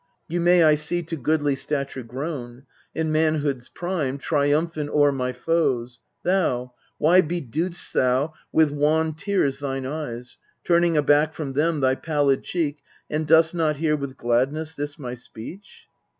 You may I see to goodly stature grown, In manhood's prime, triumphant o'er my foes. Thou, why bedew 'st thou with wan tears thine eyes, Turning aback from them thy pallid cheek, And dost not hear with gladness this my speech